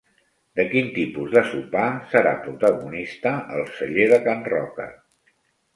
De quin tipus de sopar serà protagonista el Celler de Can Roca?